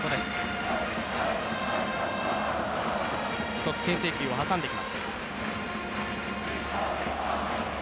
１つ、牽制球を挟んできます。